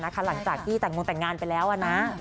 หลังจากที่แต่งงแต่งงานไปแล้วนะ